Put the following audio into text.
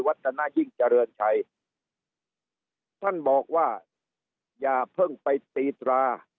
ตนายิ่งเจริญชัยท่านบอกว่าอย่าเพิ่งไปตีตรา